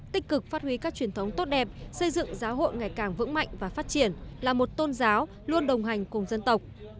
tích cực phát huy các truyền thống tốt đẹp xây dựng giáo hội ngày càng vững mạnh và phát triển là một tôn giáo luôn đồng hành cùng dân tộc